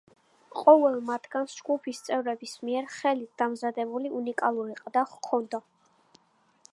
ყოველ მათგანს ჯგუფის წევრების მიერ ხელით დამზადებული უნიკალური ყდა ჰქონდა.